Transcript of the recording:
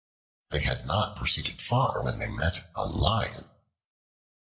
They had not proceeded far when they met a Lion.